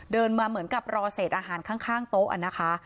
มาเหมือนกับรอเศษอาหารข้างโต๊ะนะคะ